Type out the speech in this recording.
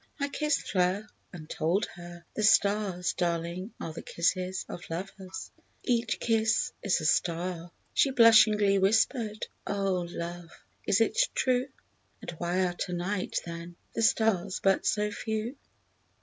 I kissed her, and told her: "The stars, darling, are The kisses of lovers— Each kiss is a star." She blushingly whispered: "Oh, love, is it true? And why are tonight, then, The stars but so few?"